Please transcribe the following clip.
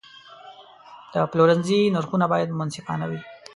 د پلورنځي نرخونه باید منصفانه وي.